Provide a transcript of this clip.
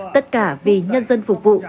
tất cả vì nhân dân phục vụ